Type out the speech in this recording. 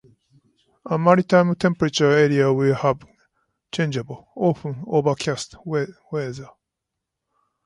A maritime temperate area will have changeable, often overcast weather.